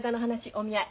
お見合い。